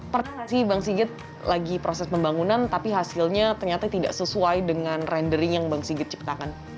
persi bang sigit lagi proses pembangunan tapi hasilnya ternyata tidak sesuai dengan rendering yang bang sigit ciptakan